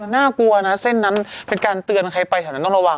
น่ากลัวนะเส้นนั้นเป็นการเตือนใครไปแถวนั้นต้องระวัง